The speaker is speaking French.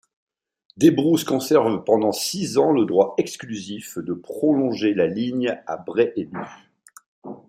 Débrousse conserve pendant six ans le droit exclusif de prolonger la ligne à Bray-et-Lû.